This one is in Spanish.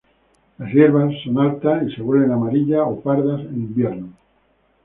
Las hierbas son altas y se vuelven amarillas o pardas en invierno.